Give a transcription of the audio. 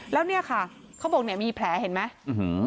แล้วเนี่ยค่ะเขาบอกเนี่ยมีแผลเห็นไหมอื้อหือ